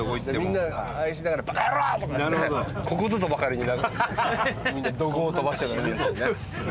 みんな愛しながら「バカ野郎！」とか言ってここぞとばかりになんかみんな怒号を飛ばして。